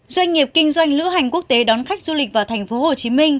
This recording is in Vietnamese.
doanh nghiệp kinh doanh lữ hành quốc tế đón khách du lịch vào tp hcm